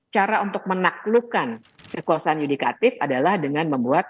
cara untuk menaklukkan kekuasaan yudikatif adalah dengan membuat